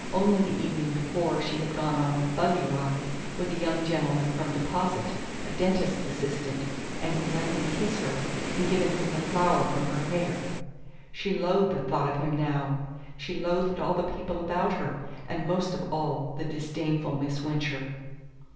Only the evening before she had gone on a "buggy ride" with a young gentleman from Deposit a dentist's assistant and had let him kiss her, and given him the flower from her hair. She loathed the thought of him now: she loathed all the people about her, and most of all the disdainful Miss Wincher.